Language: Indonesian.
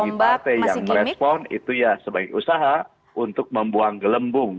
dan bagi partai yang merespon itu ya sebagai usaha untuk membuang gelembung